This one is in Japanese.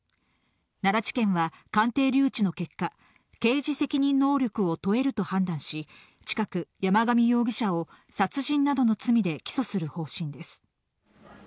奈良地検は、鑑定留置の結果、刑事責任能力を問えると判断し、近く山上容疑者を殺人などの罪で起訴する方針です。